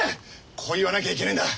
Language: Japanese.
こう言わなきゃいけねえんだ。